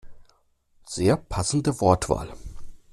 Sehr passende Wortwahl!